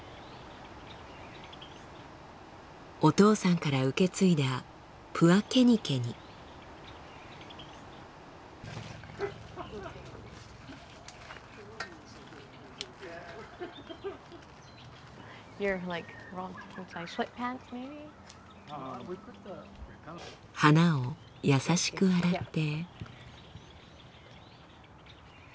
お父さんから受け継いだ花を優しく洗って。